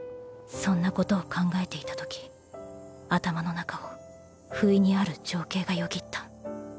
そんなことを考えていた時頭の中をふいにある情景がよぎった。